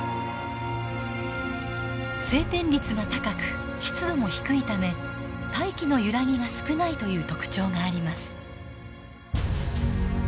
晴天率が高く湿度も低いため大気の揺らぎが少ないという特徴があります。